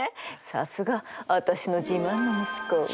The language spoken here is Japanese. さすが私の自慢の息子！